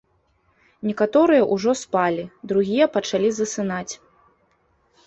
Некаторыя ўжо спалі, другія пачалі засынаць.